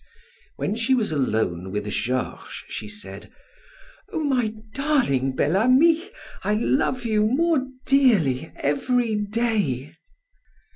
When she was alone with Georges, she said: "Oh, my darling Bel Ami, I love you more dearly every day."